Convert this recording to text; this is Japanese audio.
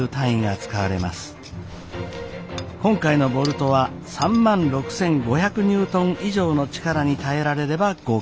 今回のボルトは３万６，５００ニュートン以上の力に耐えられれば合格です。